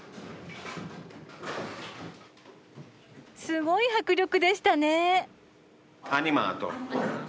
すごい迫力でしたね！